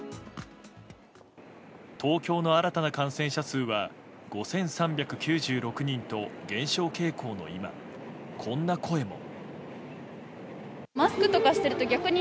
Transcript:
東京の新たな感染者数は５３９６人と減少傾向の今こんな声も。